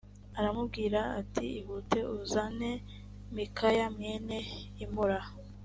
aramubwira ati ihute uzane mikaya mwene imula